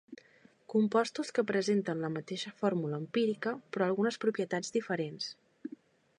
Compostos que presenten la mateixa fórmula empírica però algunes propietats diferents.